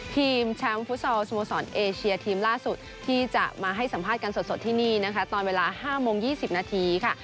ทีมแชมป์ฟุตซอลสโมสรเอเชียทีมล่าสุดที่จะมาให้สัมภาษณ์กันสดที่นี่นะคะตอนเวลา๕โมง๒๐นาทีค่ะ